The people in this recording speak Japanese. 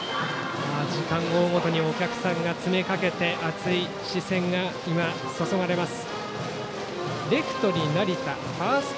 時間を追うごとお客さんが詰め掛けて熱い視線が注がれます。